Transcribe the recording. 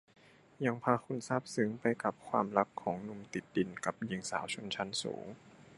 ยังพาคุณซาบซึ้งไปกับความรักของหนุ่มติดดินกับหญิงสาวชนชั้นสูง